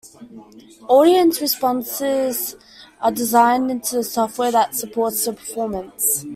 Audience responses are designed into the software that supports the performance.